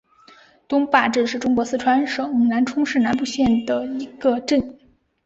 东坝镇是中国四川省南充市南部县的一个镇。